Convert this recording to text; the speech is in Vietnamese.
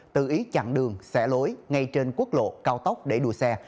tự ý chặn đường xẻ lối ngay trên quốc lộ cao tốc để đua xe